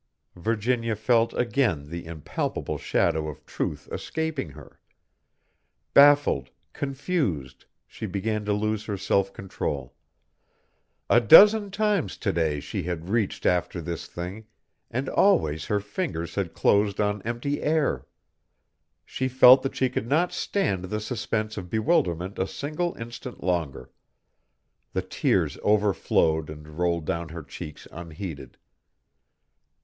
Virginia felt again the impalpable shadow of truth escaping her. Baffled, confused, she began to lose her self control. A dozen times to day she had reached after this thing, and always her fingers had closed on empty air. She felt that she could not stand the suspense of bewilderment a single instant longer. The tears overflowed and rolled down her cheeks unheeded.